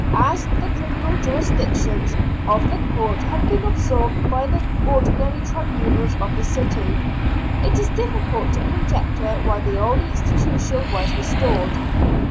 As the criminal jurisdiction of the court had been absorbed by the ordinary tribunals of the city, it is difficult to con jecture why the old institution was restored.